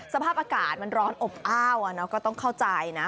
สภาพอากาศมันร้อนอบอ้าวก็ต้องเข้าใจนะ